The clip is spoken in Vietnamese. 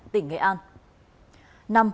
tỉnh nghệ an